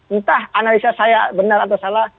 entah analisa saya benar atau salah